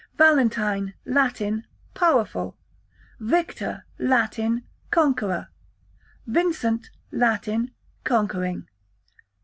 Valentine, Latin, powerful. Victor, Latin, conqueror. Vincent, Latin, conquering.